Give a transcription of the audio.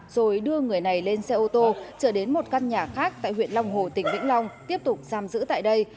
rồi đưa người này lên xe ô tô trở đến một căn nhà khác tại huyện long hồ tỉnh vĩnh long tiếp tục giam giữ tại đây